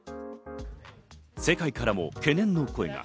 世界からも懸念の声が。